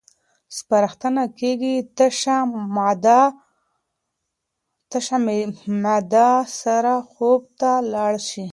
سپارښتنه کېږي تشه معده سره خوب ته لاړ شئ.